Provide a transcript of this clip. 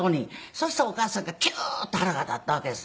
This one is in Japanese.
そしたらお義母さんがキューッと腹が立ったわけですね。